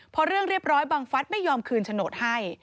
พอเรื่องเรียบร้อยบังฟัฐไม่ยอมคืนโฉนดให้